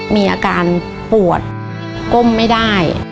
มีอาการปวดก้มไม่ได้